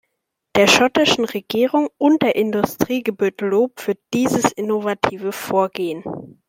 Der schottischen Regierung und der Industrie gebührt Lob für dieses innovative Vorgehen.